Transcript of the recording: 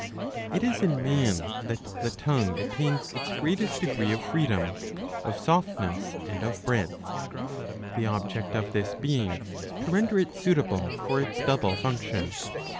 It is in man that the tongue attains its greatest degree of freedom, of softness, and of breadth ; the object of this being to render it suitable for its double function.